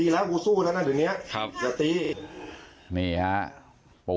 ลูกของคนโต